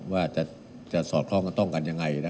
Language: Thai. ว่าจะสอดคล่องต้องกันยังไงนะ